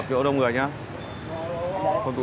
cốp này đâu